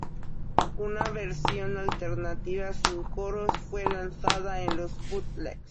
Una versión alternativa sin coros fue lanzada en los bootlegs.